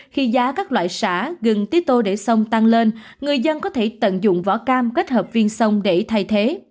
khi giá các loại xả gần ti tô để sông tăng lên người dân có thể tận dụng vỏ cam kết hợp viên sông để thay thế